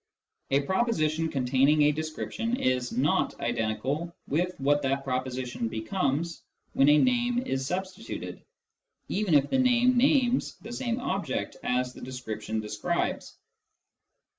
A proposition containing a description is not identical with what that proposition becomes when a name is substituted, even if the name names the same object as the description describes.